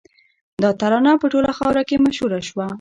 دا ترانه په ټوله خاوره کې مشهوره شوه